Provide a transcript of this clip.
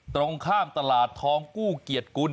ตรงข้ามตลาดทองกู้เกียรติกุล